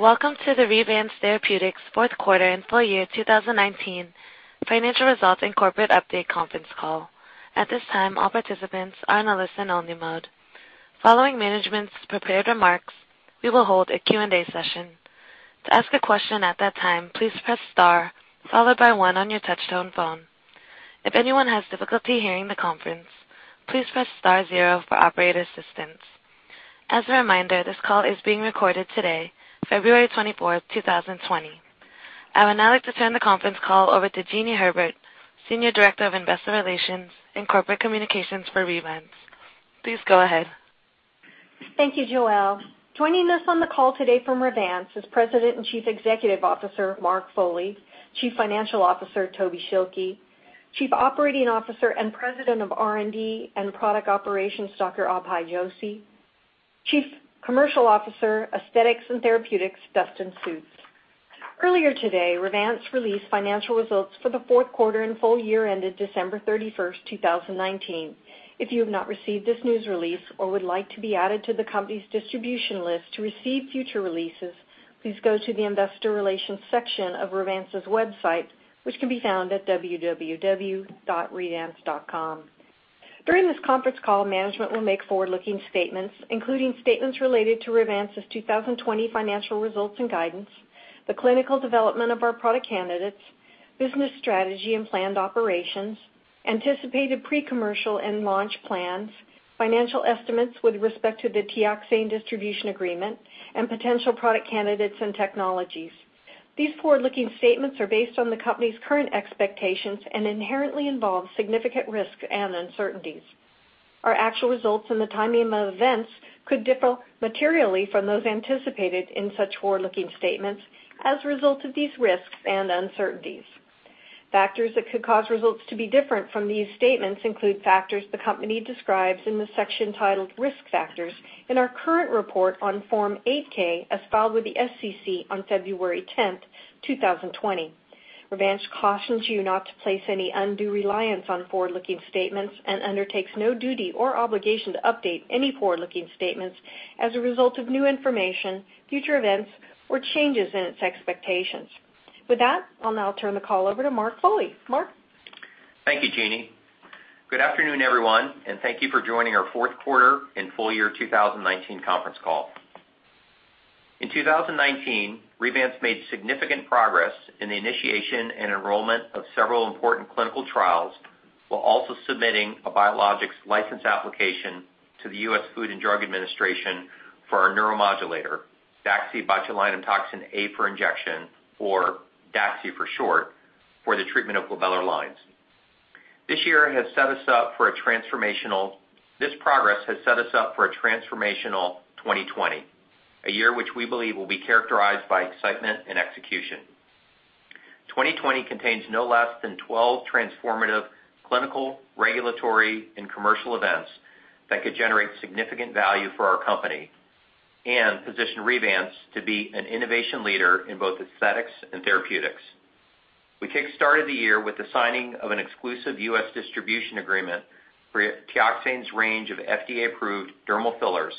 Welcome to the Revance Therapeutics fourth quarter and full year 2019 financial results and corporate update conference call. At this time, all participants are in a listen-only mode. Following management's prepared remarks, we will hold a Q&A session. To ask a question at that time, please press star followed by one on your touch-tone phone. If anyone has difficulty hearing the conference, please press star zero for operator assistance. As a reminder, this call is being recorded today, February 24th, 2020. I would now like to turn the conference call over to Jeanie Herbert, Senior Director of Investor Relations and Corporate Communications for Revance. Please go ahead. Thank you, Joelle. Joining us on the call today from Revance is President and Chief Executive Officer, Mark Foley, Chief Financial Officer, Toby Schilke, Chief Operating Officer and President of R&D and Product Operations, Dr. Abhay Joshi, Chief Commercial Officer, Aesthetics and Therapeutics, Dustin Sjuts. Earlier today, Revance released financial results for the fourth quarter and full year ended December 31st, 2019. If you have not received this news release or would like to be added to the company's distribution list to receive future releases, please go to the investor relations section of Revance's website, which can be found at www.revance.com. During this conference call, management will make forward-looking statements, including statements related to Revance's 2020 financial results and guidance, the clinical development of our product candidates, business strategy and planned operations, anticipated pre-commercial and launch plans, financial estimates with respect to the TEOXANE distribution agreement, and potential product candidates and technologies. These forward-looking statements are based on the company's current expectations and inherently involve significant risks and uncertainties. Our actual results and the timing of events could differ materially from those anticipated in such forward-looking statements as a result of these risks and uncertainties. Factors that could cause results to be different from these statements include factors the company describes in the section titled Risk Factors in our current report on Form 8-K, as filed with the SEC on February 10th, 2020. Revance cautions you not to place any undue reliance on forward-looking statements and undertakes no duty or obligation to update any forward-looking statements as a result of new information, future events, or changes in its expectations. With that, I'll now turn the call over to Mark Foley. Mark? Thank you, Jeanie. Good afternoon, everyone, and thank you for joining our fourth quarter and full year 2019 conference call. In 2019, Revance made significant progress in the initiation and enrollment of several important clinical trials, while also submitting a biologics license application to the U.S. Food and Drug Administration for our neuromodulator, DaxibotulinumtoxinA for Injection, or DAXI for short, for the treatment of glabellar lines. This progress has set us up for a transformational 2020, a year which we believe will be characterized by excitement and execution. 2020 contains no less than 12 transformative clinical, regulatory, and commercial events that could generate significant value for our company and position Revance to be an innovation leader in both aesthetics and therapeutics. We kickstarted the year with the signing of an exclusive U.S. distribution agreement for TEOXANE's range of FDA-approved dermal fillers,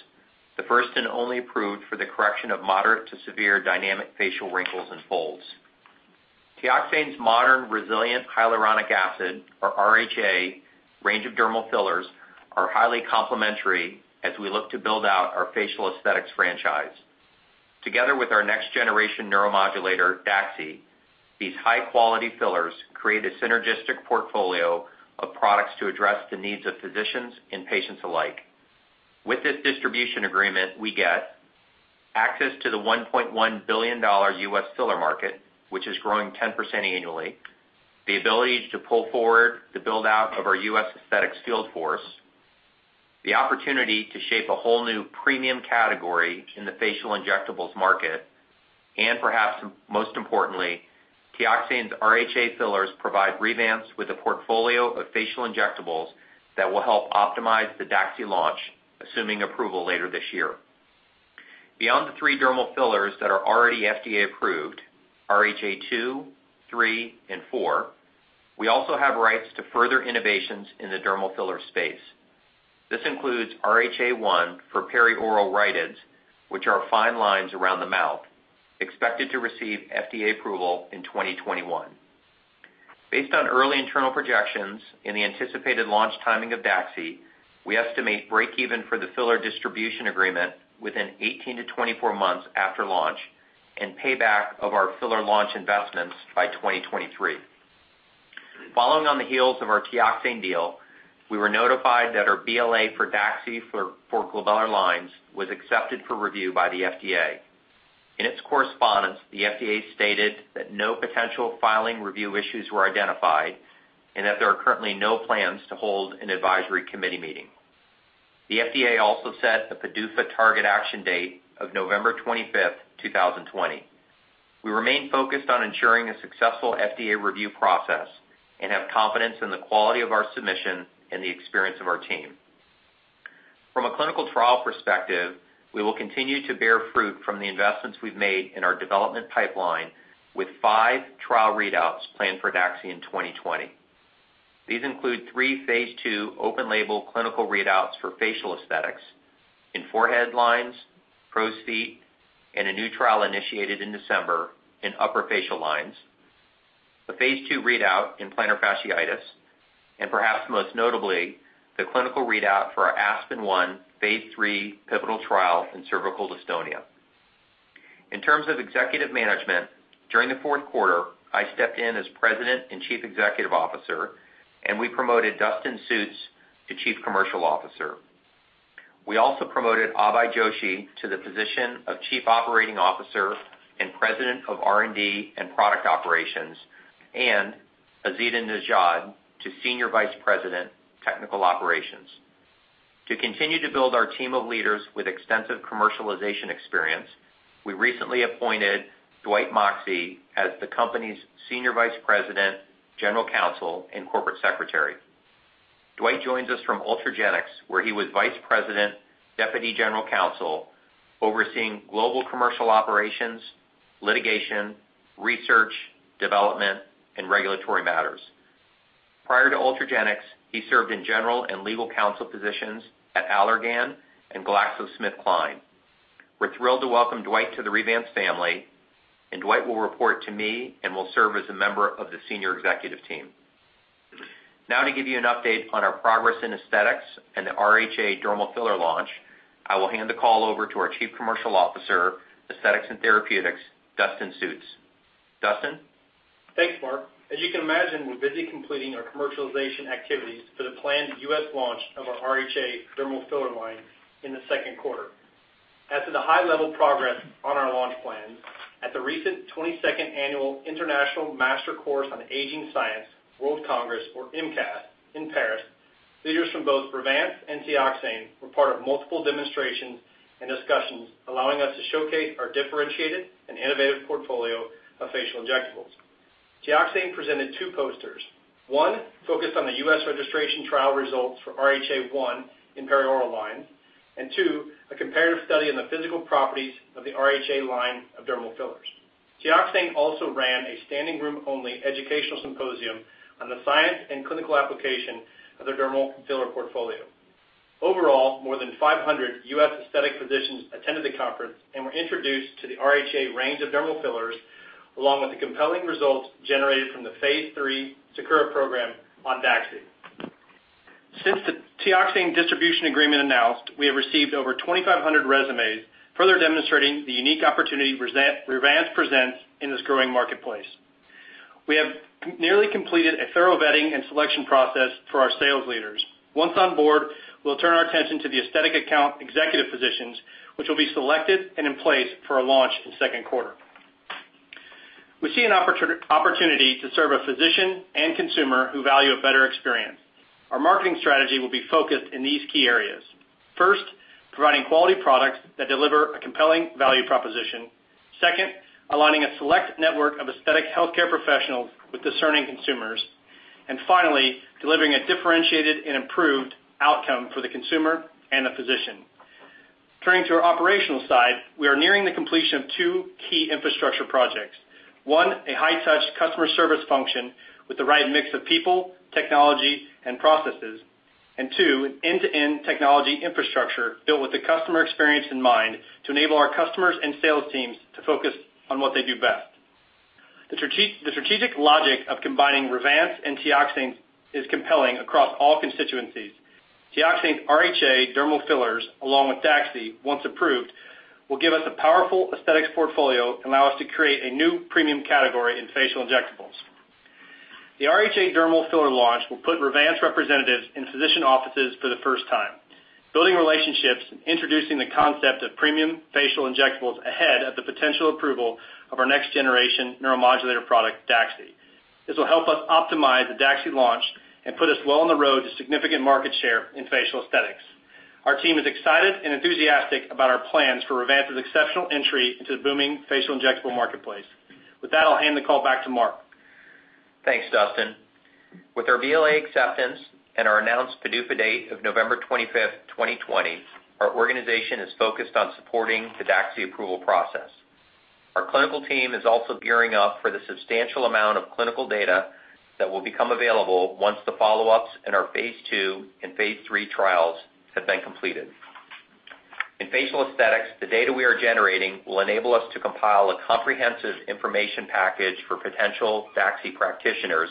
the first and only approved for the correction of moderate to severe dynamic facial wrinkles and folds. TEOXANE's modern Resilient Hyaluronic Acid, or RHA, range of dermal fillers are highly complementary as we look to build out our facial aesthetics franchise. Together with our next-generation neuromodulator, DAXI, these high-quality fillers create a synergistic portfolio of products to address the needs of physicians and patients alike. With this distribution agreement, we get access to the $1.1 billion U.S. filler market, which is growing 10% annually, the ability to pull forward the build-out of our U.S. aesthetics field force, the opportunity to shape a whole new premium category in the facial injectables market, and perhaps most importantly, TEOXANE's RHA fillers provide Revance with a portfolio of facial injectables that will help optimize the DAXI launch, assuming approval later this year. Beyond the three dermal fillers that are already FDA approved, RHA 2, 3, and 4, we also have rights to further innovations in the dermal filler space. This includes RHA 1 for perioral rhytids, which are fine lines around the mouth, expected to receive FDA approval in 2021. Based on early internal projections and the anticipated launch timing of DAXI, we estimate break even for the filler distribution agreement within 18 to 24 months after launch and payback of our filler launch investments by 2023. Following on the heels of our TEOXANE deal, we were notified that our BLA for DAXI for glabellar lines was accepted for review by the FDA. In its correspondence, the FDA stated that no potential filing review issues were identified and that there are currently no plans to hold an advisory committee meeting. The FDA also set the PDUFA target action date of November 25th, 2020. We remain focused on ensuring a successful FDA review process and have confidence in the quality of our submission and the experience of our team. From a clinical trial perspective, we will continue to bear fruit from the investments we've made in our development pipeline with five trial readouts planned for DAXI in 2020. These include three phase II open-label clinical readouts for facial aesthetics in forehead lines, crow's feet, and a new trial initiated in December in upper facial lines. A phase II readout in plantar fasciitis, and perhaps most notably, the clinical readout for our ASPEN-1 phase III pivotal trial in cervical dystonia. In terms of executive management, during the fourth quarter, I stepped in as President and Chief Executive Officer and we promoted Dustin Sjuts to Chief Commercial Officer. We also promoted Abhay Joshi to the position of Chief Operating Officer and President of R&D and Product Operations, and Azita Nejad to Senior Vice President, Technical Operations. To continue to build our team of leaders with extensive commercialization experience, we recently appointed Dwight Moxie as the company's Senior Vice President, General Counsel, and Corporate Secretary. Dwight joins us from Ultragenyx, where he was Vice President, Deputy General Counsel, overseeing global commercial operations, litigation, research, development, and regulatory matters. Prior to Ultragenyx, he served in general and legal counsel positions at Allergan and GlaxoSmithKline. We're thrilled to welcome Dwight to the Revance family. Dwight will report to me and will serve as a member of the senior executive team. To give you an update on our progress in aesthetics and the RHA dermal filler launch, I will hand the call over to our Chief Commercial Officer, Aesthetics and Therapeutics, Dustin Sjuts. Dustin? Thanks, Mark. As you can imagine, we're busy completing our commercialization activities for the planned U.S. launch of our RHA dermal filler line in the second quarter. As to the high-level progress on our launch plans, at the recent 22nd Annual International Master Course on Aging Science World Congress, or IMCAS, in Paris, leaders from both Revance and TEOXANE were part of multiple demonstrations and discussions allowing us to showcase our differentiated and innovative portfolio of facial injectables. TEOXANE presented two posters, one focused on the U.S. registration trial results for RHA 1 in perioral lines, and two, a comparative study on the physical properties of the RHA line of dermal fillers. TEOXANE also ran a standing-room-only educational symposium on the science and clinical application of their dermal filler portfolio. Overall, more than 500 U.S. aesthetic physicians attended the conference and were introduced to the RHA range of dermal fillers, along with the compelling results generated from the phase III SAKURA program on DAXI. Since the TEOXANE distribution agreement announced, we have received over 2,500 resumes, further demonstrating the unique opportunity Revance presents in this growing marketplace. We have nearly completed a thorough vetting and selection process for our sales leaders. Once on board, we'll turn our attention to the aesthetic account executive positions, which will be selected and in place for our launch in the second quarter. We see an opportunity to serve a physician and consumer who value a better experience. Our marketing strategy will be focused in these key areas. First, providing quality products that deliver a compelling value proposition. Second, aligning a select network of aesthetic healthcare professionals with discerning consumers. Finally, delivering a differentiated and improved outcome for the consumer and the physician. Turning to our operational side, we are nearing the completion of two key infrastructure projects. One, a high-touch customer service function with the right mix of people, technology, and processes. Two, an end-to-end technology infrastructure built with the customer experience in mind to enable our customers and sales teams to focus on what they do best. The strategic logic of combining Revance and TEOXANE is compelling across all constituencies. TEOXANE's RHA dermal fillers, along with DAXI, once approved, will give us a powerful aesthetics portfolio and allow us to create a new premium category in facial injectables. The RHA dermal filler launch will put Revance representatives in physician offices for the first time, building relationships and introducing the concept of premium facial injectables ahead of the potential approval of our next-generation neuromodulator product, DAXI. This will help us optimize the DAXI launch and put us well on the road to significant market share in facial aesthetics. Our team is excited and enthusiastic about our plans for Revance's exceptional entry into the booming facial injectable marketplace. With that, I'll hand the call back to Mark. Thanks, Dustin. With our BLA acceptance and our announced PDUFA date of November 25th, 2020, our organization is focused on supporting the DAXI approval process. Our clinical team is also gearing up for the substantial amount of clinical data that will become available once the follow-ups in our phase II and phase III trials have been completed. In facial aesthetics, the data we are generating will enable us to compile a comprehensive information package for potential DAXI practitioners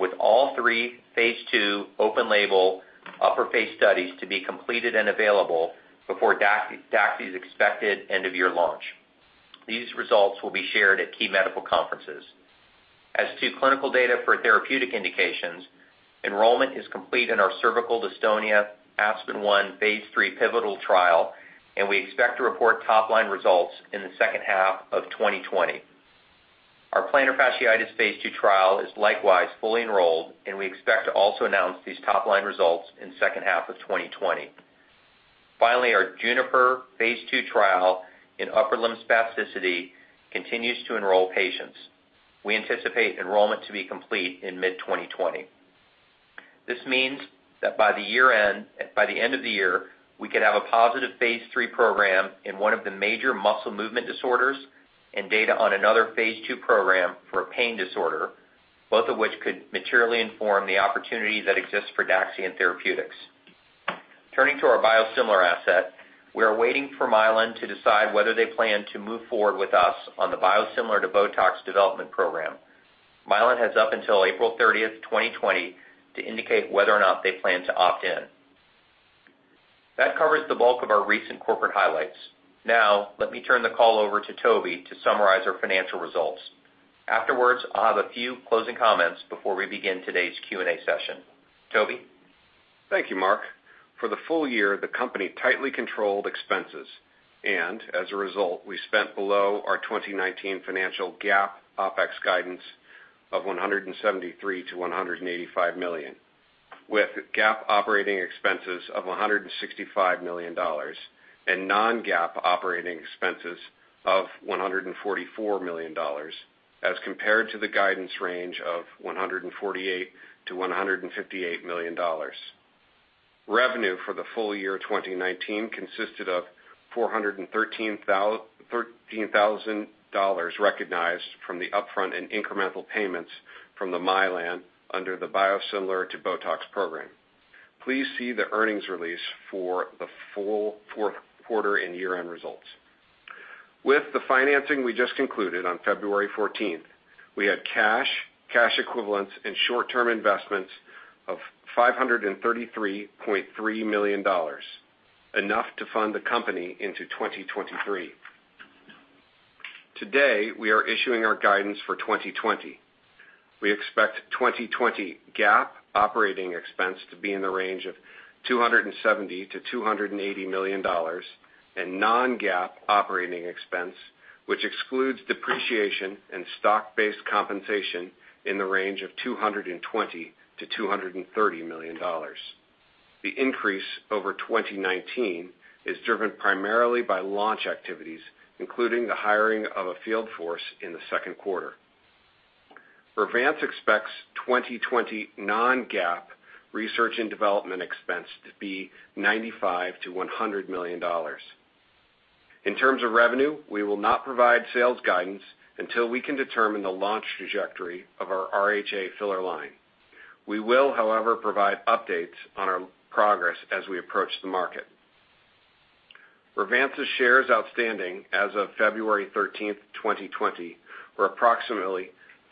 with all three phase II open-label upper face studies to be completed and available before DAXI's expected end-of-year launch. These results will be shared at key medical conferences. As to clinical data for therapeutic indications, enrollment is complete in our cervical dystonia ASPEN-1 phase III pivotal trial, and we expect to report top-line results in the second half of 2020. Our plantar fasciitis phase II trial is likewise fully enrolled. We expect to also announce these top-line results in the second half of 2020. Finally, our JUNIPER phase II trial in upper limb spasticity continues to enroll patients. We anticipate enrollment to be complete in mid-2020. This means that by the end of the year, we could have a positive phase III program in one of the major muscle movement disorders. Data on another phase II program for a pain disorder, both of which could materially inform the opportunity that exists for DAXI and therapeutics. Turning to our biosimilar asset, we are waiting for Mylan to decide whether they plan to move forward with us on the biosimilar to BOTOX development program. Mylan has up until April 30th, 2020, to indicate whether or not they plan to opt in. That covers the bulk of our recent corporate highlights. Let me turn the call over to Toby to summarize our financial results. Afterwards, I'll have a few closing comments before we begin today's Q&A session. Toby? Thank you, Mark. For the full year, the company tightly controlled expenses, and as a result, we spent below our 2019 financial GAAP OpEx guidance of $173 million-$185 million, with GAAP operating expenses of $165 million and non-GAAP operating expenses of $144 million as compared to the guidance range of $148 million-$158 million. Revenue for the full year 2019 consisted of $413,000 recognized from the upfront and incremental payments from Mylan under the biosimilar to BOTOX program. Please see the earnings release for the full fourth quarter and year-end results. With the financing we just concluded on February 14th, we had cash equivalents, and short-term investments of $533.3 million, enough to fund the company into 2023. Today, we are issuing our guidance for 2020. We expect 2020 GAAP operating expense to be in the range of $270 million-$280 million and non-GAAP operating expense, which excludes depreciation and stock-based compensation in the range of $220 million-$230 million. The increase over 2019 is driven primarily by launch activities, including the hiring of a field force in the second quarter. Revance expects 2020 non-GAAP research and development expense to be $95 million-$100 million. In terms of revenue, we will not provide sales guidance until we can determine the launch trajectory of our RHA filler line. We will, however, provide updates on our progress as we approach the market. Revance's shares outstanding as of February 13th, 2020, were approximately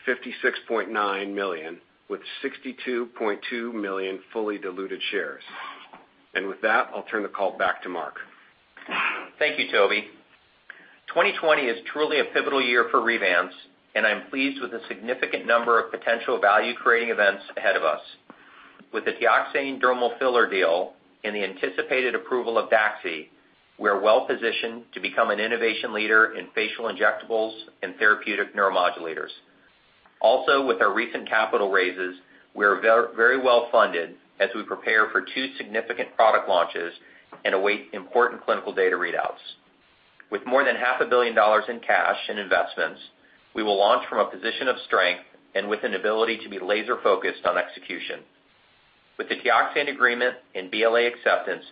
56.9 million, with 62.2 million fully diluted shares. With that, I'll turn the call back to Mark. Thank you, Toby. 2020 is truly a pivotal year for Revance, and I'm pleased with the significant number of potential value-creating events ahead of us. With the TEOXANE dermal filler deal and the anticipated approval of DAXI, we are well-positioned to become an innovation leader in facial injectables and therapeutic neuromodulators. Also, with our recent capital raises, we are very well-funded as we prepare for two significant product launches and await important clinical data readouts. With more than half a billion dollars in cash and investments, we will launch from a position of strength and with an ability to be laser-focused on execution. With the TEOXANE agreement and BLA acceptance,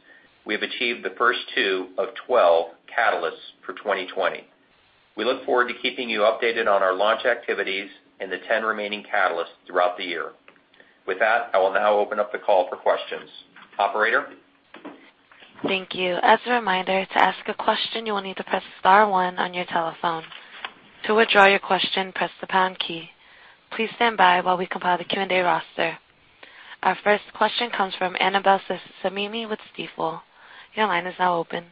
we have achieved the first two of 12 catalysts for 2020. We look forward to keeping you updated on our launch activities and the 10 remaining catalysts throughout the year. With that, I will now open up the call for questions. Operator? Thank you. As a reminder, to ask a question, you will need to press star one on your telephone. To withdraw your question, press the pound key. Please stand by while we compile the Q&A roster. Our first question comes from Annabel Samimy with Stifel. Your line is now open.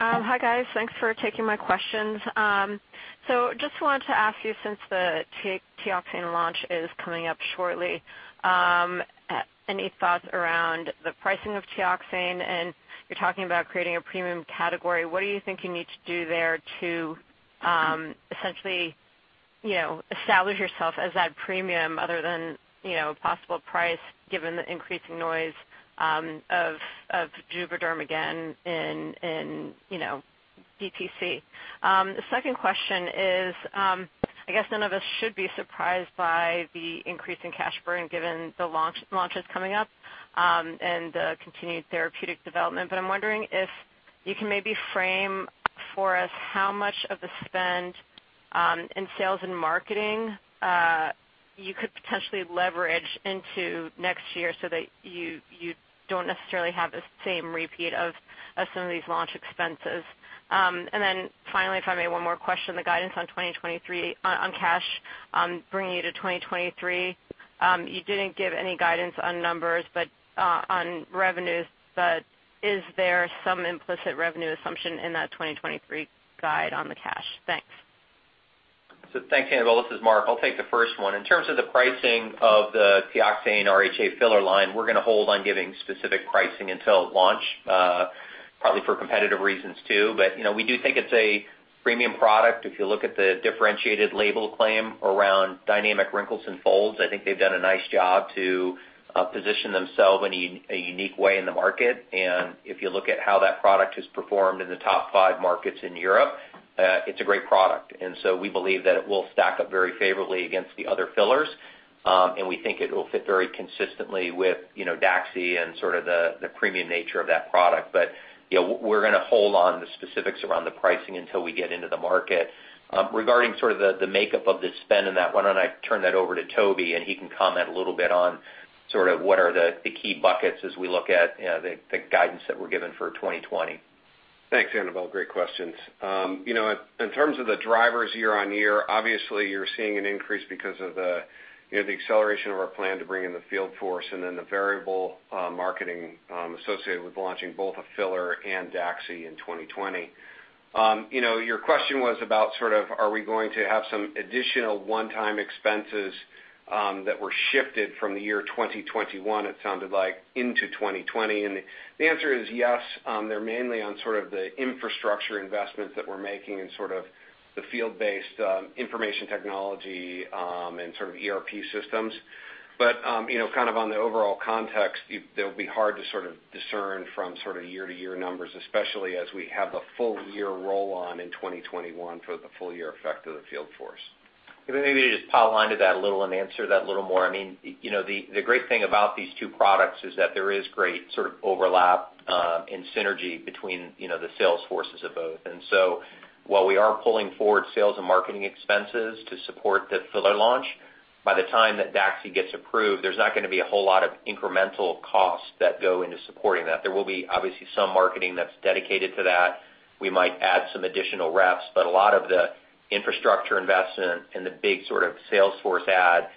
Hi, guys. Thanks for taking my questions. Just wanted to ask you, since the TEOXANE launch is coming up shortly, any thoughts around the pricing of TEOXANE? You're talking about creating a premium category. What do you think you need to do there to essentially establish yourself as that premium other than possible price given the increasing noise of JUVÉDERM again in DTC? The second question is, I guess none of us should be surprised by the increase in cash burn given the launches coming up and the continued therapeutic development. I'm wondering if you can maybe frame for us how much of the spend in sales and marketing you could potentially leverage into next year so that you don't necessarily have the same repeat of some of these launch expenses. Finally, if I may, one more question. The guidance on cash bringing you to 2023. You didn't give any guidance on numbers on revenues, but is there some implicit revenue assumption in that 2023 guide on the cash? Thanks. Thanks, Annabel. This is Mark. I'll take the first one. In terms of the pricing of the TEOXANE RHA filler line, we're going to hold on giving specific pricing until launch, probably for competitive reasons too. We do think it's a premium product. If you look at the differentiated label claim around dynamic wrinkles and folds, I think they've done a nice job to position themselves in a unique way in the market. If you look at how that product has performed in the top five markets in Europe, it's a great product. We believe that it will stack up very favorably against the other fillers. And we think it will fit very consistently with DAXI and the premium nature of that product. We're going on the specifics around the pricing until we get into the market. Regarding the makeup of the spend in that, why don't I turn that over to Toby, and he can comment a little bit on what are the key buckets as we look at the guidance that we're given for 2020. Thanks, Annabel. Great questions. In terms of the drivers year-on-year, obviously, you're seeing an increase because of the acceleration of our plan to bring in the field force and then the variable marketing associated with launching both a filler and DAXI in 2020. Your question was about are we going to have some additional one-time expenses that were shifted from the year 2021, it sounded like, into 2020, and the answer is yes. They're mainly on the infrastructure investments that we're making and the field-based information technology and ERP systems. On the overall context, they'll be hard to discern from year-to-year numbers, especially as we have the full-year roll-on in 2021 for the full-year effect of the field force. Maybe just to pile onto that a little and answer that a little more. The great thing about these two products is that there is great overlap in synergy between the sales forces of both. While we are pulling forward sales and marketing expenses to support the filler launch, by the time that DAXI gets approved, there's not going to be a whole lot of incremental costs that go into supporting that. There will be obviously some marketing that's dedicated to that. We might add some additional reps, but a lot of the infrastructure investment and the big sales force add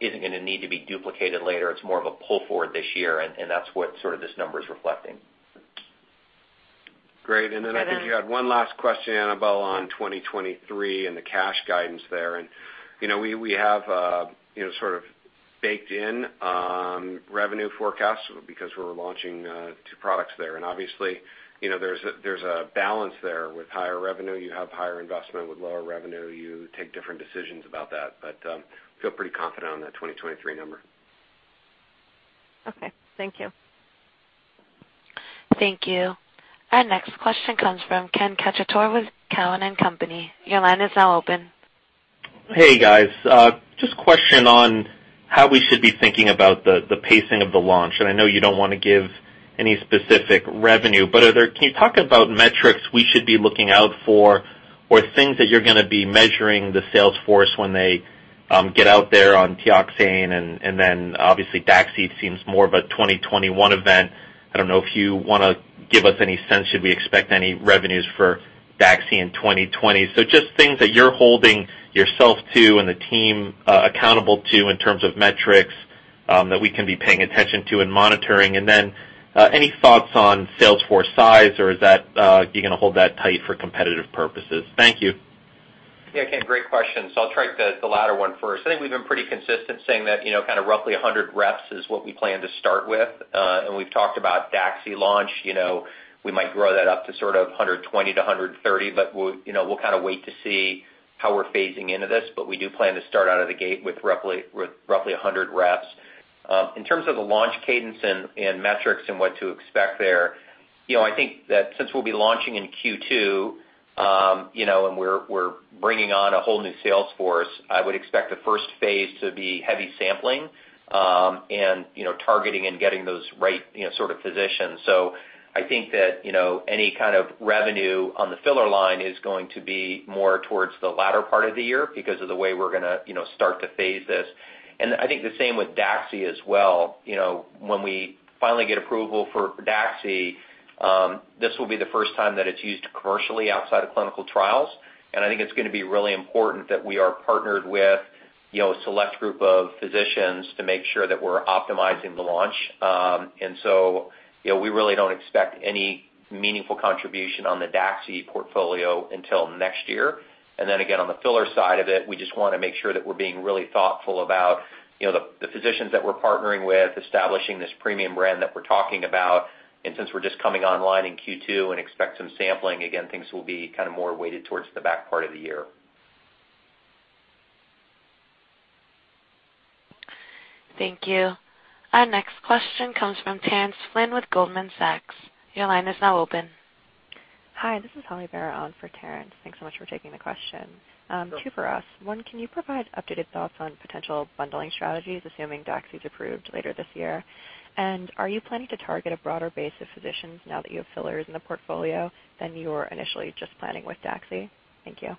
isn't going to need to be duplicated later. It's more of a pull forward this year, and that's what this number is reflecting. Great. Then I think you had one last question, Annabel, on 2023 and the cash guidance there. We have baked in revenue forecasts because we're launching two products there. Obviously, there's a balance there. With higher revenue, you have higher investment. With lower revenue, you take different decisions about that. I feel pretty confident on that 2023 number. Okay. Thank you. Thank you. Our next question comes from Ken Cacciatore with Cowen and Company. Your line is now open. Hey, guys. Just a question on how we should be thinking about the pacing of the launch. I know you don't want to give any specific revenue, but can you talk about metrics we should be looking out for, or things that you're going to be measuring the sales force when they get out there on TEOXANE and then obviously DAXI seems more of a 2021 event. I don't know if you want to give us any sense. Should we expect any revenues for DAXI in 2020? Just things that you're holding yourself to and the team accountable to in terms of metrics that we can be paying attention to and monitoring. Then any thoughts on sales force size, or is that you're going to hold that tight for competitive purposes? Thank you. Yeah, Ken, great question. I'll take the latter one first. I think we've been pretty consistent saying that roughly 100 reps is what we plan to start with. We've talked about DAXI launch. We might grow that up to 120 to 130, we'll wait to see how we're phasing into this. We do plan to start out of the gate with roughly 100 reps. In terms of the launch cadence and metrics and what to expect there, I think that since we'll be launching in Q2, we're bringing on a whole new sales force, I would expect the first phase to be heavy sampling and targeting and getting those right sort of physicians. I think that any kind of revenue on the filler line is going to be more towards the latter part of the year because of the way we're going to start to phase this. I think the same with DAXI as well. When we finally get approval for DAXI, this will be the first time that it's used commercially outside of clinical trials. I think it's going to be really important that we are partnered with a select group of physicians to make sure that we're optimizing the launch. We really don't expect any meaningful contribution on the DAXI portfolio until next year. Then again, on the filler side of it, we just want to make sure that we're being really thoughtful about the physicians that we're partnering with, establishing this premium brand that we're talking about. Since we're just coming online in Q2 and expect some sampling, again, things will be more weighted towards the back part of the year. Thank you. Our next question comes from Terence Flynn with Goldman Sachs. Your line is now open. Hi, this is Hollie Barone in for Terence. Thanks so much for taking the question. Two for us. One, can you provide updated thoughts on potential bundling strategies, assuming DAXI's approved later this year? Are you planning to target a broader base of physicians now that you have fillers in the portfolio than you were initially just planning with DAXI? Thank you.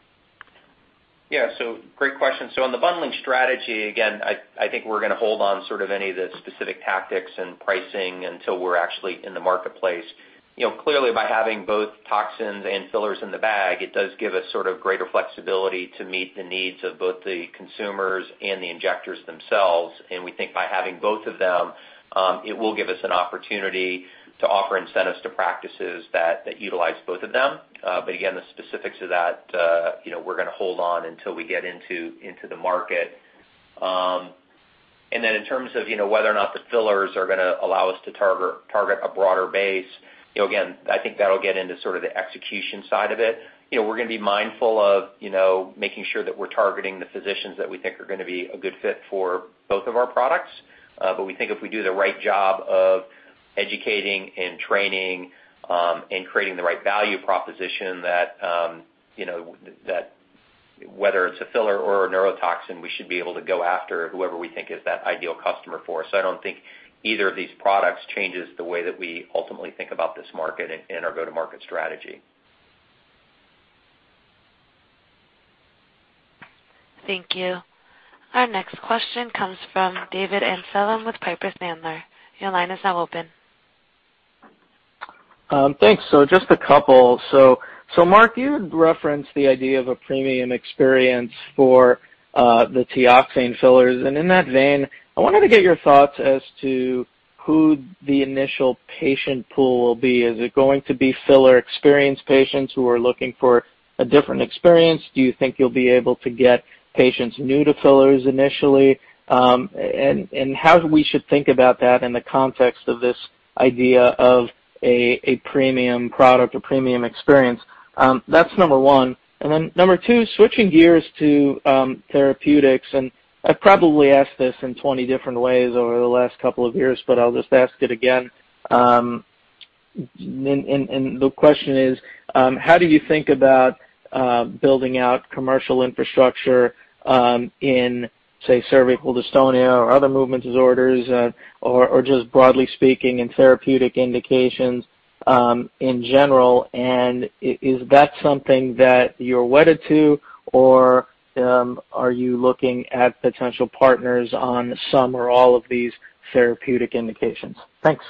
Great question. On the bundling strategy, again, I think we're going to hold on any of the specific tactics and pricing until we're actually in the marketplace. Clearly, by having both toxins and fillers in the bag, it does give us greater flexibility to meet the needs of both the consumers and the injectors themselves. We think by having both of them, it will give us an opportunity to offer incentives to practices that utilize both of them. Again, the specifics of that we're going to hold on until we get into the market. In terms of whether or not the fillers are going to allow us to target a broader base, again, I think that'll get into the execution side of it. We're going to be mindful of making sure that we're targeting the physicians that we think are going to be a good fit for both of our products. We think if we do the right job of educating and training and creating the right value proposition that, whether it's a filler or a neurotoxin, we should be able to go after whoever we think is that ideal customer for us. I don't think either of these products changes the way that we ultimately think about this market in our go-to-market strategy. Thank you. Our next question comes from David Amsellem with Piper Sandler. Your line is now open. Thanks. Just a couple. Mark, you had referenced the idea of a premium experience for the TEOXANE fillers. In that vein, I wanted to get your thoughts as to who the initial patient pool will be. Is it going to be filler-experienced patients who are looking for a different experience? Do you think you'll be able to get patients new to fillers initially? How we should think about that in the context of this idea of a premium product or premium experience? That's number one. Number two, switching gears to therapeutics, and I've probably asked this in 20 different ways over the last couple of years, but I'll just ask it again. The question is, how do you think about building out commercial infrastructure in, say, cervical dystonia or other movement disorders, or just broadly speaking, in therapeutic indications in general, and is that something that you're wedded to, or are you looking at potential partners on some or all of these therapeutic indications? Thanks.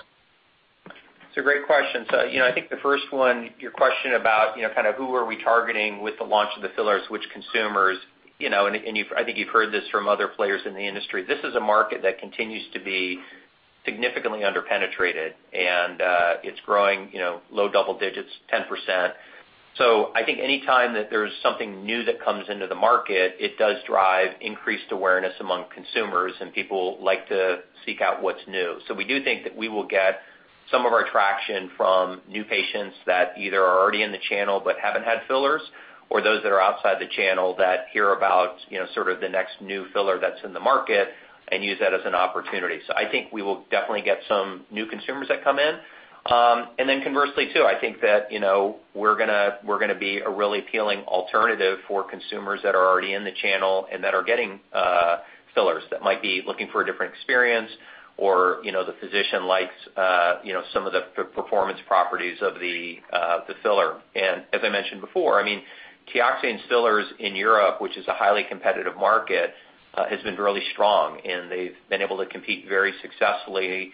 It's a great question. I think the first one, your question about kind of who are we targeting with the launch of the fillers, which consumers, I think you've heard this from other players in the industry. This is a market that continues to be significantly under-penetrated, it's growing low double digits, 10%. I think any time that there's something new that comes into the market, it does drive increased awareness among consumers, people like to seek out what's new. We do think that we will get some of our traction from new patients that either are already in the channel but haven't had fillers, or those that are outside the channel that hear about sort of the next new filler that's in the market and use that as an opportunity. I think we will definitely get some new consumers that come in. Conversely too, I think that we're going to be a really appealing alternative for consumers that are already in the channel and that are getting fillers that might be looking for a different experience, or the physician likes some of the performance properties of the filler. As I mentioned before, TEOXANE fillers in Europe, which is a highly competitive market, has been really strong, and they've been able to compete very successfully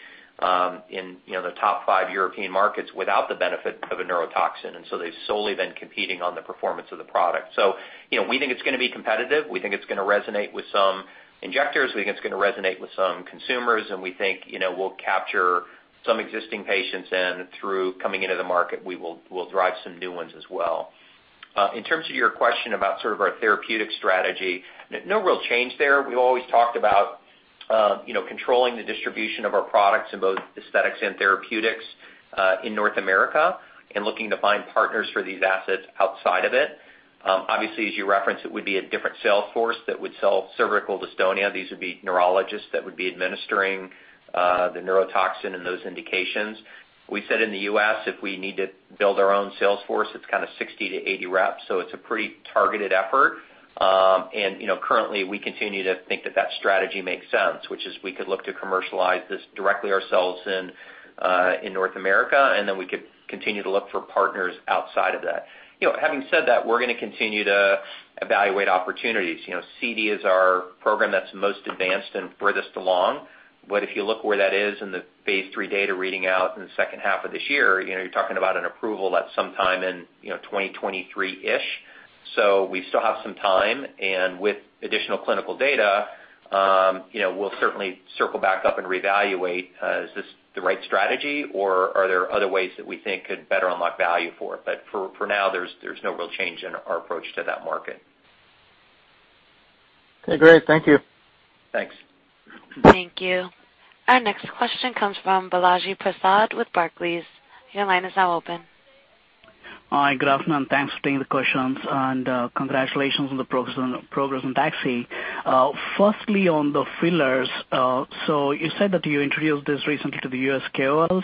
in the top five European markets without the benefit of a neurotoxin. They've solely been competing on the performance of the product. We think it's going to be competitive. We think it's going to resonate with some injectors. We think it's going to resonate with some consumers, and we think we'll capture some existing patients and through coming into the market, we'll drive some new ones as well. In terms of your question about sort of our therapeutic strategy, no real change there. We've always talked about controlling the distribution of our products in both aesthetics and therapeutics, in North America and looking to find partners for these assets outside of it. Obviously, as you referenced, it would be a different sales force that would sell cervical dystonia. These would be neurologists that would be administering the neurotoxin and those indications. We said in the U.S., if we need to build our own sales force, it's kind of 60-80 reps, a pretty targeted effort. Currently, we continue to think that that strategy makes sense, which is we could look to commercialize this directly ourselves in North America, then we could continue to look for partners outside of that. Having said that, we're going to continue to evaluate opportunities. CD is our program that's most advanced and furthest along. If you look where that is in the phase III data reading out in the second half of this year, you're talking about an approval at some time in 2023-ish. We still have some time, and with additional clinical data, we'll certainly circle back up and reevaluate, is this the right strategy, or are there other ways that we think could better unlock value for it? For now, there's no real change in our approach to that market. Okay, great. Thank you. Thanks. Thank you. Our next question comes from Balaji Prasad with Barclays. Your line is now open. Hi, Good afternoon, thanks for taking the questions, and congratulations on the progress on DAXI. Firstly, on the fillers, you said that you introduced this recently to the U.S. KOLs.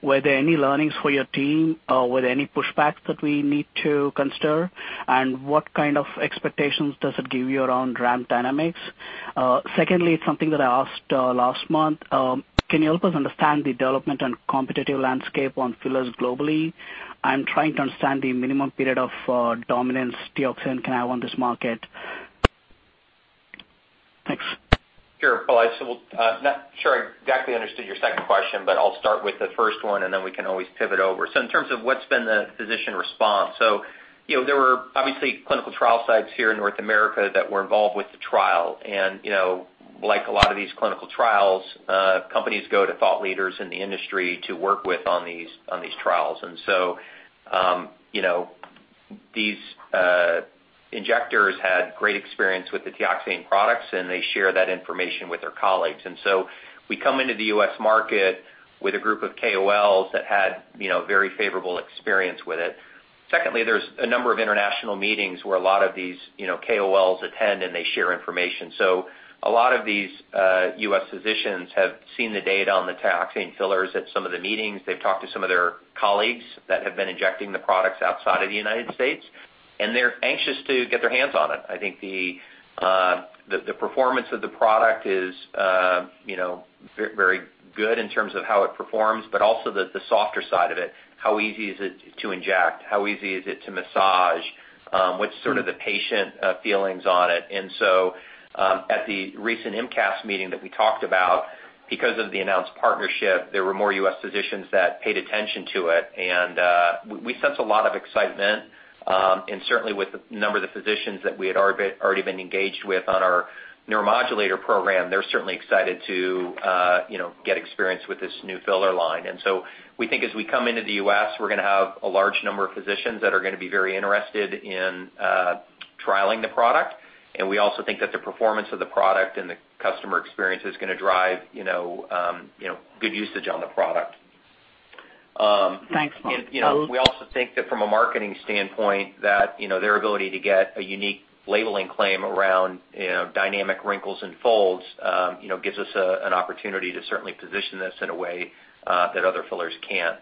Were there any learnings for your team? Were there any pushbacks that we need to consider? What kind of expectations does it give you around ramp dynamics? Secondly, it's something that I asked last month. Can you help us understand the development and competitive landscape on fillers globally? I'm trying to understand the minimum period of dominance TEOXANE can have on this market. Thanks. Sure, Balaji. Well, not sure I exactly understood your second question, but I'll start with the first one, and then we can always pivot over. In terms of what's been the physician response, there were obviously clinical trial sites here in North America that were involved with the trial. Like a lot of these clinical trials, companies go to thought leaders in the industry to work with on these trials. These injectors had great experience with the TEOXANE products, and they share that information with their colleagues. We come into the U.S. market with a group of KOLs that had very favorable experience with it. Secondly, there's a number of international meetings where a lot of these KOLs attend, and they share information. A lot of these U.S. physicians have seen the data on the TEOXANE fillers at some of the meetings. They've talked to some of their colleagues that have been injecting the products outside of the U.S., and they're anxious to get their hands on it. I think the performance of the product is very good in terms of how it performs, but also the softer side of it, how easy is it to inject? How easy is it to massage? What's sort of the patient feelings on it? At the recent IMCAS meeting that we talked about, because of the announced partnership, there were more U.S. physicians that paid attention to it. We sense a lot of excitement, and certainly with a number of the physicians that we had already been engaged with on our neuromodulator program, they're certainly excited to get experience with this new filler line. We think as we come into the U.S., we're going to have a large number of physicians that are going to be very interested in trialing the product. We also think that the performance of the product and the customer experience is going to drive good usage on the product. Thanks, Mark. We also think that from a marketing standpoint, that their ability to get a unique labeling claim around dynamic wrinkles and folds gives us an opportunity to certainly position this in a way that other fillers can't.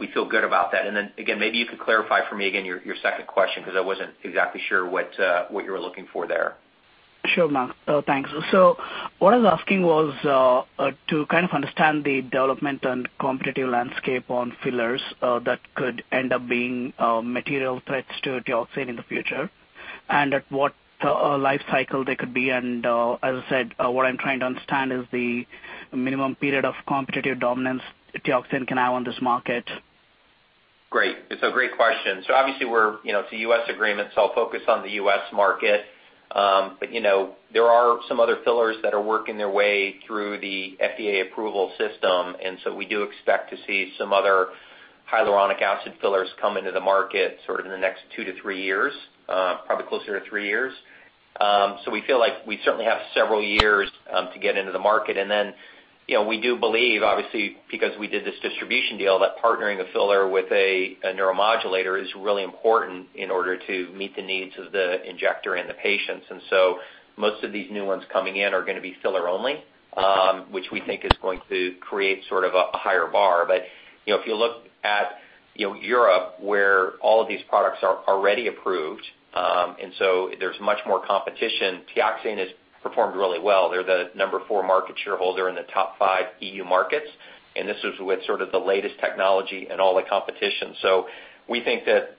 We feel good about that. Again, maybe you could clarify for me again your second question, because I wasn't exactly sure what you were looking for there. Sure, Mark. Thanks. What I was asking was to kind of understand the development and competitive landscape on fillers that could end up being material threats to TEOXANE in the future and at what life cycle they could be. As I said, what I'm trying to understand is the minimum period of competitive dominance TEOXANE can have on this market. Great. It's a great question. Obviously, it's a U.S. agreement, so I'll focus on the U.S. market. There are some other fillers that are working their way through the FDA approval system, and we do expect to see some other hyaluronic acid fillers come into the market sort of in the next two to three years, probably closer to three years. We feel like we certainly have several years to get into the market. We do believe, obviously, because we did this distribution deal, that partnering a filler with a neuromodulator is really important in order to meet the needs of the injector and the patients. Most of these new ones coming in are going to be filler only, which we think is going to create sort of a higher bar. If you look at Europe, where all of these products are already approved, there's much more competition, TEOXANE has performed really well. They're the number four market shareholder in the top five EU markets, this is with sort of the latest technology and all the competition. We think that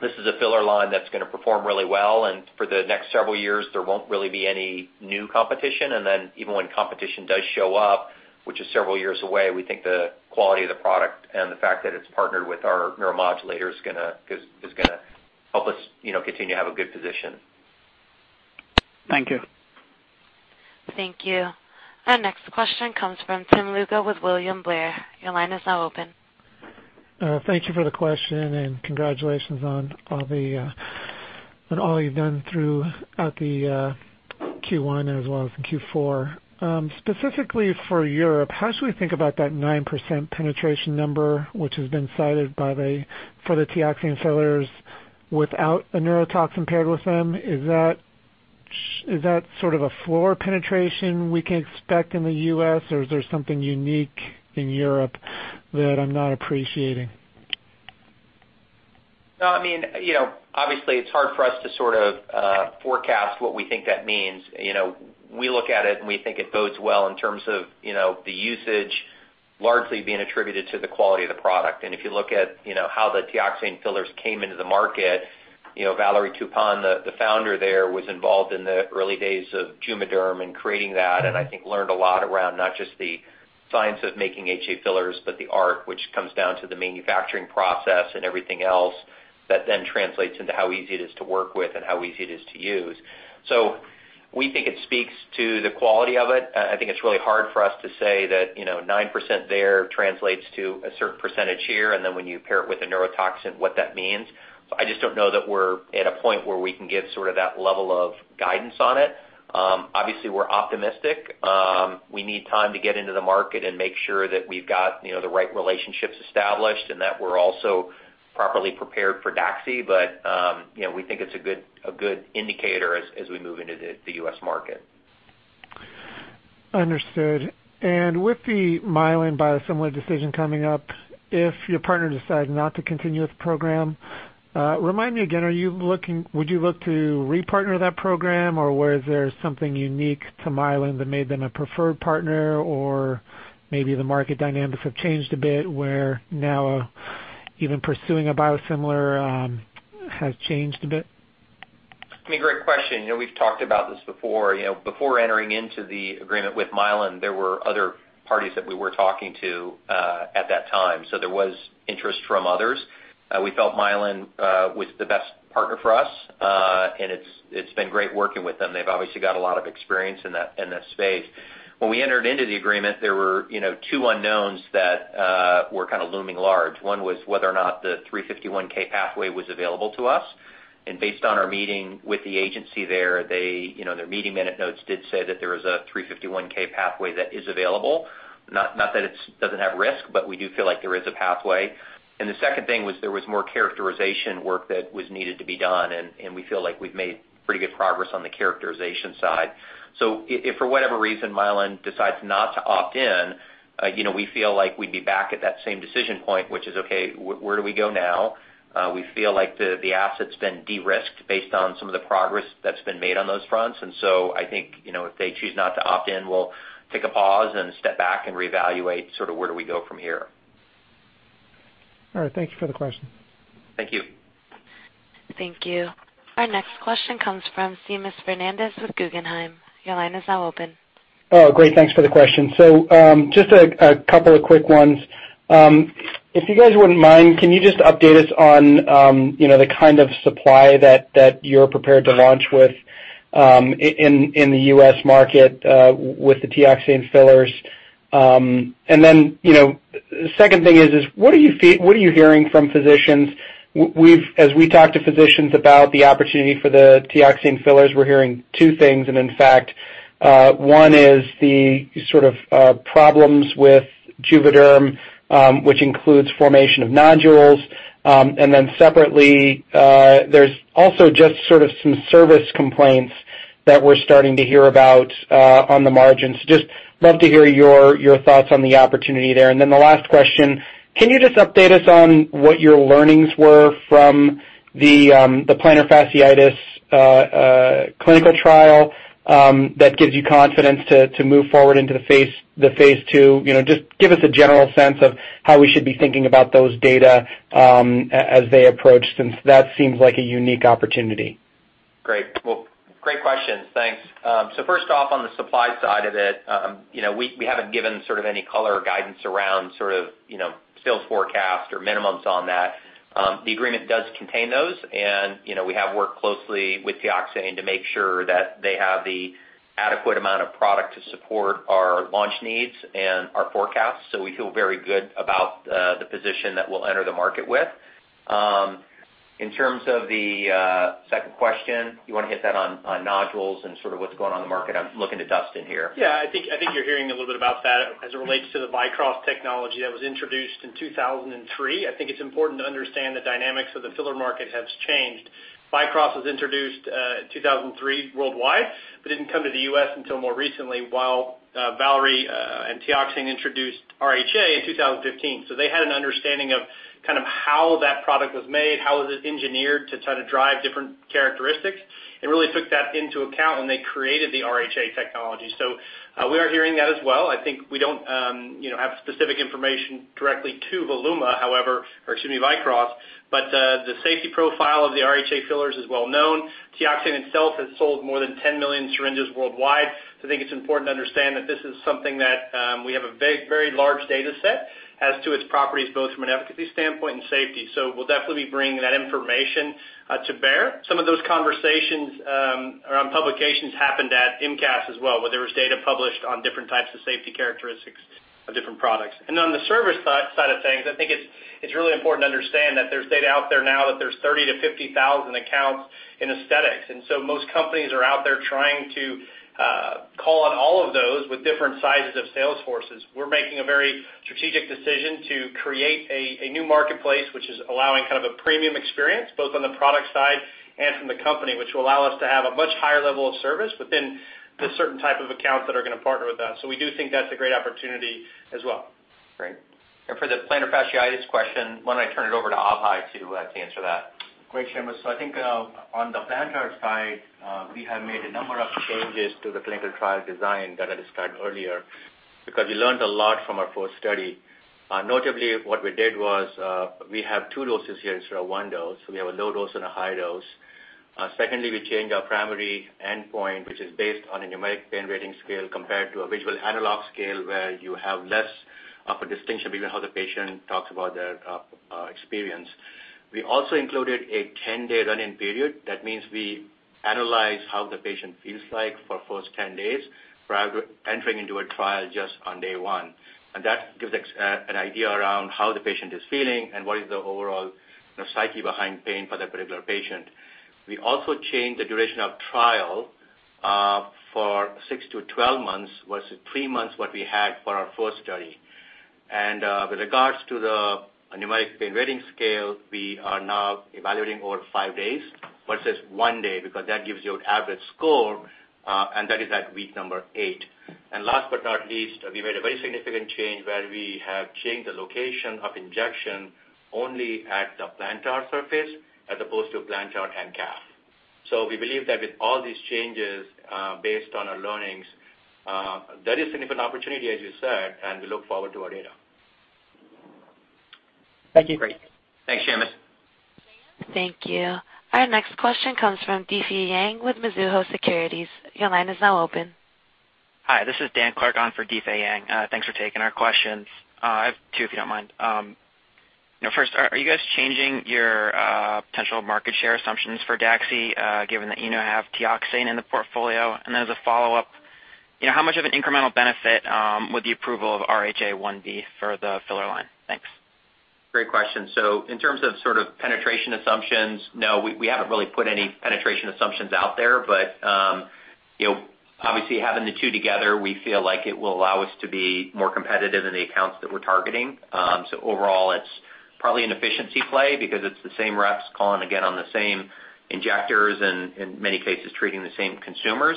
this is a filler line that's going to perform really well, for the next several years, there won't really be any new competition. Even when competition does show up, which is several years away, we think the quality of the product and the fact that it's partnered with our neuromodulator is going to help us continue to have a good position. Thank you. Thank you. Our next question comes from Tim Lugo with William Blair. Your line is now open. Thank you for the question and congratulations on all you've done throughout the Q1 as well as in Q4. Specifically for Europe, how should we think about that 9% penetration number, which has been cited for the TEOXANE fillers without a neurotoxin paired with them? Is that sort of a floor penetration we can expect in the U.S., or is there something unique in Europe that I'm not appreciating? No. Obviously, it's hard for us to sort of forecast what we think that means. We look at it and we think it bodes well in terms of the usage largely being attributed to the quality of the product. If you look at how the TEOXANE fillers came into the market, Valérie Taupin, the founder there, was involved in the early days of JUVÉDERM and creating that, and I think learned a lot around not just the science of making HA fillers, but the art, which comes down to the manufacturing process and everything else that then translates into how easy it is to work with and how easy it is to use. We think it speaks to the quality of it. I think it's really hard for us to say that 9% there translates to a certain percentage here, and then when you pair it with a neurotoxin, what that means. I just don't know that we're at a point where we can give sort of that level of guidance on it. Obviously, we're optimistic. We need time to get into the market and make sure that we've got the right relationships established and that we're also properly prepared for DAXI, but we think it's a good indicator as we move into the U.S. market. Understood. With the Mylan biosimilar decision coming up, if your partner decides not to continue with the program, remind me again, would you look to re-partner that program, or was there something unique to Mylan that made them a preferred partner? Or maybe the market dynamics have changed a bit, where now even pursuing a biosimilar has changed a bit? Great question. We've talked about this before. Before entering into the agreement with Mylan, there were other parties that we were talking to at that time. There was interest from others. We felt Mylan was the best partner for us. It's been great working with them. They've obviously got a lot of experience in that space. When we entered into the agreement, there were two unknowns that were kind of looming large. One was whether or not the 351 pathway was available to us. Based on our meeting with the agency there, their meeting minute notes did say that there is a 351 pathway that is available. Not that it doesn't have risk, but we do feel like there is a pathway. The second thing was there was more characterization work that was needed to be done, and we feel like we've made pretty good progress on the characterization side. If for whatever reason Mylan decides not to opt in, we feel like we'd be back at that same decision point, which is, okay, where do we go now? We feel like the asset's been de-risked based on some of the progress that's been made on those fronts. I think, if they choose not to opt in, we'll take a pause and step back and reevaluate sort of where do we go from here. All right. Thank you for the question. Thank you. Thank you. Our next question comes from Seamus Fernandez with Guggenheim. Your line is now open. Oh, great. Thanks for the question. Just a couple of quick ones. If you guys wouldn't mind, can you just update us on the kind of supply that you're prepared to launch with in the U.S. market with the TEOXANE fillers? The second thing is, what are you hearing from physicians? As we talk to physicians about the opportunity for the TEOXANE fillers, we're hearing two things. In fact, one is the sort of problems with JUVÉDERM, which includes formation of nodules. Separately, there's also just sort of some service complaints that we're starting to hear about on the margins. Just love to hear your thoughts on the opportunity there. The last question, can you just update us on what your learnings were from the plantar fasciitis clinical trial that gives you confidence to move forward into the phase II? Just give us a general sense of how we should be thinking about those data as they approach, since that seems like a unique opportunity. Great. Well, great questions. Thanks. First off, on the supply side of it, we haven't given sort of any color or guidance around sort of sales forecast or minimums on that. The agreement does contain those, and we have worked closely with TEOXANE to make sure that they have the adequate amount of product to support our launch needs and our forecasts. We feel very good about the position that we'll enter the market with. In terms of the second question, you want to hit that on nodules and sort of what's going on in the market. I'm looking to Dustin here. Yeah, I think you're hearing a little bit about that as it relates to the VYCROSS technology that was introduced in 2003. I think it's important to understand the dynamics of the filler market has changed. VYCROSS was introduced in 2003 worldwide, but didn't come to the U.S. until more recently, while Valérie and TEOXANE introduced RHA in 2015. They had an understanding of kind of how that product was made, how was it engineered to try to drive different characteristics, and really took that into account when they created the RHA technology. We are hearing that as well. I think we don't have specific information directly to Voluma, however, or excuse me, VYCROSS, but the safety profile of the RHA fillers is well known. TEOXANE itself has sold more than 10 million syringes worldwide. I think it's important to understand that this is something that we have a very large data set as to its properties, both from an efficacy standpoint and safety. We'll definitely be bringing that information to bear. Some of those conversations around publications happened at IMCAS as well, where there was data published on different types of safety characteristics of different products. On the service side of things, I think it's really important to understand that there's data out there now that there's 30,000 to 50,000 accounts in aesthetics. Most companies are out there trying to call on all of those with different sizes of sales forces. We're making a very strategic decision to create a new marketplace, which is allowing kind of a premium experience, both on the product side and from the company, which will allow us to have a much higher level of service within the certain type of accounts that are going to partner with us. We do think that's a great opportunity as well. Great. For the plantar fasciitis question, why don't I turn it over to Abhay to answer that? Great, Seamus. I think on the plantar side, we have made a number of changes to the clinical trial design that I described earlier, because we learned a lot from our first study. Notably, what we did was, we have two doses here instead of one dose. We have a low dose and a high dose. Secondly, we changed our primary endpoint, which is based on a Numeric Pain Rating Scale compared to a visual analog scale where you have less of a distinction between how the patient talks about their experience. We also included a 10-day run-in period. That means we analyze how the patient feels like for first 10 days, prior to entering into a trial just on day one. That gives us an idea around how the patient is feeling and what is the overall psyche behind pain for that particular patient. We also changed the duration of trial for six to 12 months versus three months, what we had for our first study. With regards to the Numeric Pain Rating Scale, we are now evaluating over five days versus one day, because that gives you an average score, and that is at week number eight. Last but not least, we made a very significant change where we have changed the location of injection only at the plantar surface as opposed to plantar and calf. We believe that with all these changes, based on our learnings, there is significant opportunity, as you said, and we look forward to our data. Thank you. Great. Thanks, Seamus. Thank you. Our next question comes from Difei Yang with Mizuho Securities. Your line is now open. Hi, this is Daniel Clark on for Difei Yang. Thanks for taking our questions. I have two, if you don't mind. First, are you guys changing your potential market share assumptions for DAXI, given that you now have TEOXANE in the portfolio? As a follow-up, how much of an incremental benefit would the approval of RHA 1B for the filler line? Thanks. Great question. In terms of sort of penetration assumptions, no, we haven't really put any penetration assumptions out there. Obviously having the two together, we feel like it will allow us to be more competitive in the accounts that we're targeting. Overall, it's probably an efficiency play because it's the same reps calling again on the same injectors and, in many cases, treating the same consumers.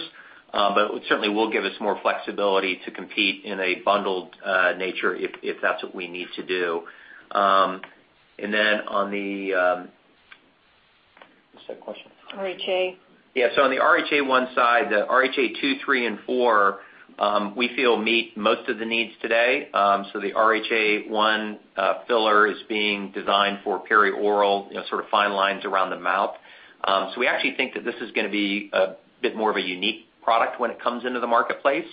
Certainly will give us more flexibility to compete in a bundled nature if that's what we need to do. On the What's that question? RHA. On the RHA 1 side, the RHA 2, 3, and 4, we feel meet most of the needs today. The RHA 1 filler is being designed for perioral fine lines around the mouth. We actually think that this is going to be a bit more of a unique product when it comes into the marketplace.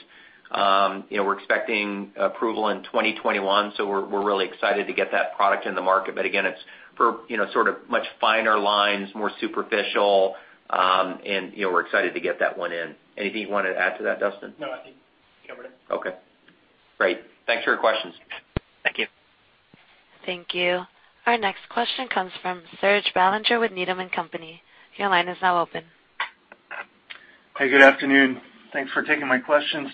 We're expecting approval in 2021, so we're really excited to get that product in the market. Again, it's for sort of much finer lines, more superficial, and we're excited to get that one in. Anything you wanted to add to that, Dustin? No, I think you covered it. Okay. Great. Thanks for your questions. Thank you. Thank you. Our next question comes from Serge Belanger with Needham & Company. Your line is now open. Hey, good afternoon. Thanks for taking my questions.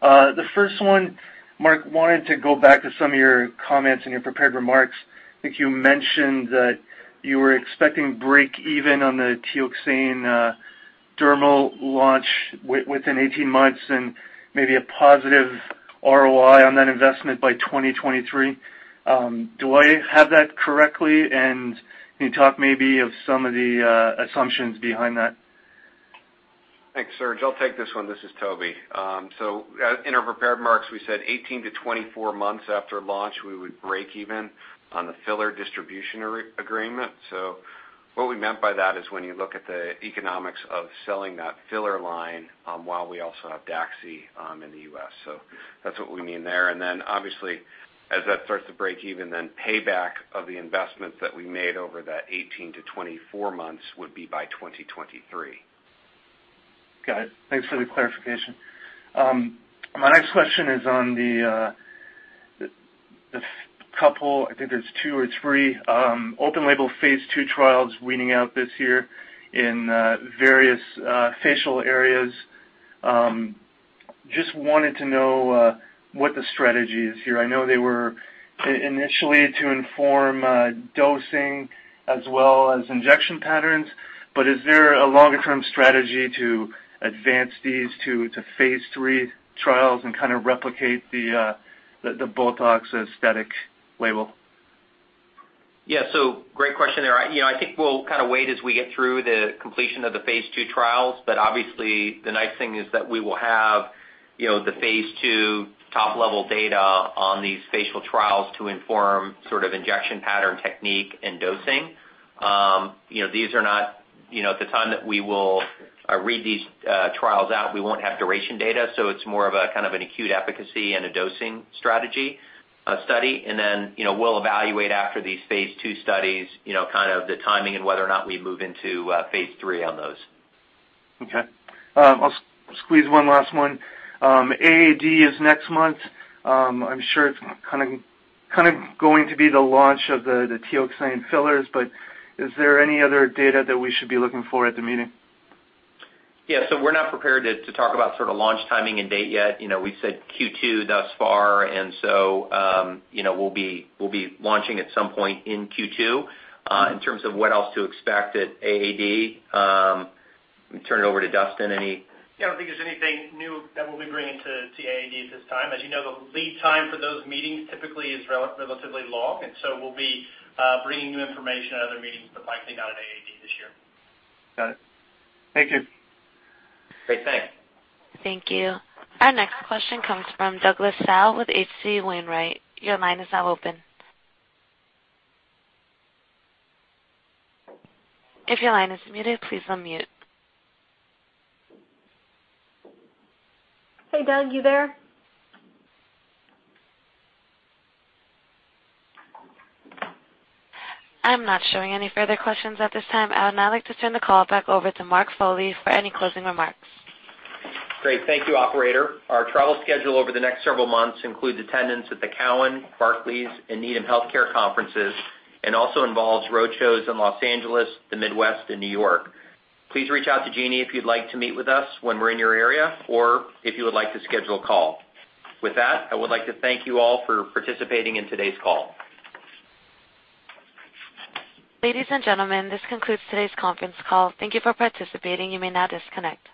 The first one, Mark, wanted to go back to some of your comments in your prepared remarks. I think you mentioned that you were expecting break even on the TEOXANE dermal launch within 18 months and maybe a positive ROI on that investment by 2023. Do I have that correctly? Can you talk maybe of some of the assumptions behind that? Thanks, Serge. I'll take this one. This is Toby. In our prepared marks, we said 18 to 24 months after launch, we would break even on the filler distribution agreement. What we meant by that is when you look at the economics of selling that filler line while we also have DAXI in the U.S. That's what we mean there. Obviously, as that starts to break even, then payback of the investments that we made over that 18 to 24 months would be by 2023. Got it. Thanks for the clarification. My next question is on the couple, I think there's two or three open label phase II trials reading out this year in various facial areas. Just wanted to know what the strategy is here. I know they were initially to inform dosing as well as injection patterns, but is there a longer-term strategy to advance these to phase III trials and kind of replicate the BOTOX aesthetic label? Great question there. I think we'll kind of wait as we get through the completion of the phase II trials. Obviously the nice thing is that we will have the phase II top-level data on these facial trials to inform sort of injection pattern technique and dosing. At the time that we will read these trials out, we won't have duration data, it's more of a kind of an acute efficacy and a dosing strategy study. We'll evaluate after these phase II studies, kind of the timing and whether or not we move into phase III on those. Okay. I'll squeeze one last one. AAD is next month. I'm sure it's kind of going to be the launch of the TEOXANE fillers, but is there any other data that we should be looking for at the meeting? Yeah. We're not prepared to talk about sort of launch timing and date yet. We said Q2 thus far, and so we'll be launching at some point in Q2. In terms of what else to expect at AAD, let me turn it over to Dustin. Yeah, I don't think there's anything new that we'll be bringing to AAD at this time. As you know, the lead time for those meetings typically is relatively long, and so we'll be bringing new information at other meetings, but likely not at AAD this year. Got it. Thank you. Great. Thanks. Thank you. Our next question comes from Douglas Tsao with H.C. Wainwright. Your line is now open. If your line is muted, please unmute. Hey, Doug, you there? I'm not showing any further questions at this time. I would now like to turn the call back over to Mark Foley for any closing remarks. Great. Thank you, operator. Our travel schedule over the next several months includes attendance at the Cowen, Barclays, and Needham Healthcare conferences, and also involves roadshows in Los Angeles, the Midwest, and New York. Please reach out to Jeanie if you'd like to meet with us when we're in your area or if you would like to schedule a call. With that, I would like to thank you all for participating in today's call. Ladies and gentlemen, this concludes today's conference call. Thank you for participating. You may now disconnect.